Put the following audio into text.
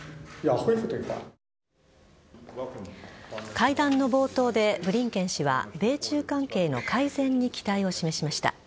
会談の冒頭で、ブリンケン氏は米中関係の改善に期待を示しました。